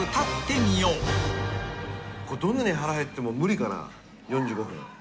これどんなに腹減っても無理かな４５分。